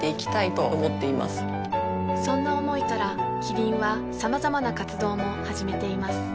そんな思いからキリンはさまざまな活動も始めています